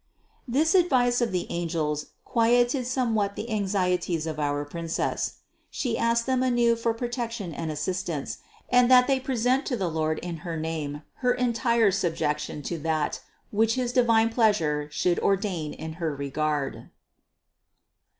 This advice of the angels quieted somewhat the anxieties of our Princess. She asked them anew for protection and assistance, and that they present to the Lord in her name her entire subjection to that which his divine pleasure should or dain in her regard.